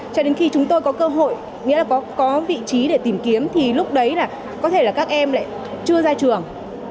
cho đến khi chúng tôi có cơ hội nghĩa là có vị trí để tìm kiếm thì lúc đấy là có thể là các em lại chưa ra trường